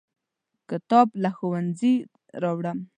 کتاب له ښوونځي راوړم.